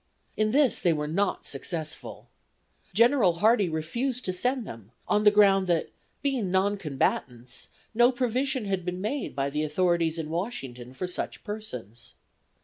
In this they were not successful. General Hardie refused to send them, on the ground that, being non combatants, no provision had been made by the authorities in Washington for such persons.